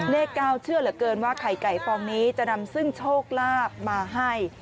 เลข๙เชื่อเหลือเกินว่าไข่ไก่ฟองนี้จะนำซึ่งโชคลาภมาให้